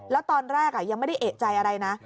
แล้วตอนแรกยังไม่ได้เอกใจอะไรนะ